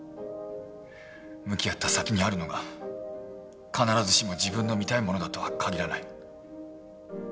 向き合った先にあるのが必ずしも自分の見たいものだとは限らない。